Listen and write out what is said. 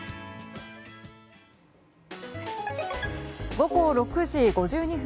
午後６時５２分。